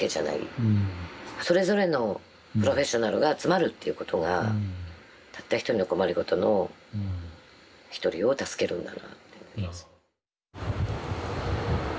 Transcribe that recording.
それぞれのプロフェッショナルが集まるっていうことがたった一人の困りごとの一人を助けるんだなって思いますね。